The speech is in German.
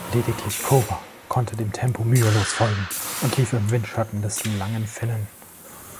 Lediglich Cova konnte dem Tempo mühelos folgen und lief im Windschatten des langen Finnen.